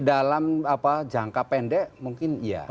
dalam jangka pendek mungkin iya